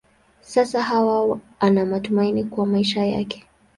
Sasa Hawa ana matumaini kwa maisha yake.